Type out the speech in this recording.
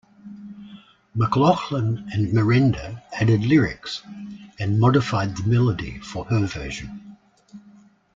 McLachlan and Merenda added lyrics and modified the melody for her version.